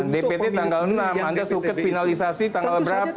dpt tanggal enam anda suket finalisasi tanggal berapa